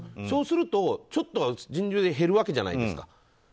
そうすると、ちょっとは人流が減るわけじゃないですか。